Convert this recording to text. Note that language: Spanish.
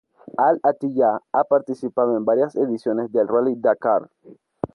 Al-Attiyah ha participado en varias ediciones del Rally Dakar.